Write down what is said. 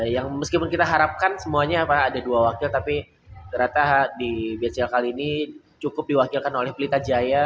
yang meskipun kita harapkan semuanya ada dua wakil tapi ternyata di bca kali ini cukup diwakilkan oleh pelita jaya